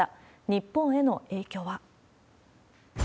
日本への影響は。